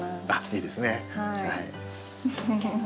いいですね。